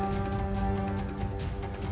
kalawan tanpa tanda